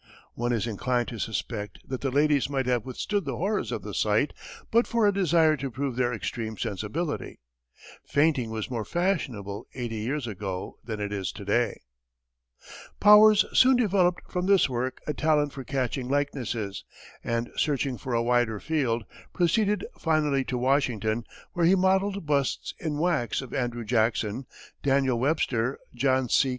One is inclined to suspect that the ladies might have withstood the horrors of the sight, but for a desire to prove their extreme sensibility. Fainting was more fashionable eighty years ago than it is to day. Powers soon developed from this work a talent for catching likenesses, and, searching for a wider field, proceeded finally to Washington, where he modelled busts in wax of Andrew Jackson, Daniel Webster, John C.